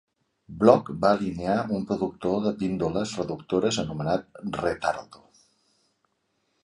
Block va alinear un productor de píndoles reductores anomenat "Retardo".